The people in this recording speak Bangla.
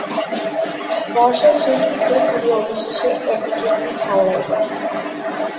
বর্ষার শেষদিকে বুড়ি অবশেষে এক যুক্তি ঠাওরাইল।